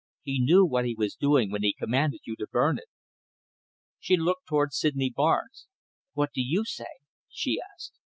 He knew what he was doing when he commanded you to burn it." She looked towards Sydney Barnes. "What do you say?" she asked.